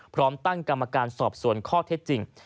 พร้อมตั้งกรรมการสอบสวนข้อเท็จจริง